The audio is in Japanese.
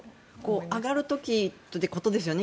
上がる時ということですよね。